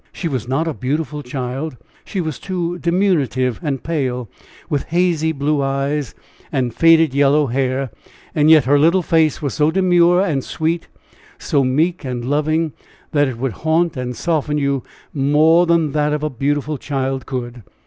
She was not a beautiful child she was too diminutive and pale, with hazy blue eyes and faded yellow hair; yet her little face was so demure and sweet, so meek and loving, that it would haunt and soften you more than that of a beautiful child could.